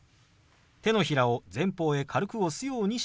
手のひらを前方へ軽く押すようにします。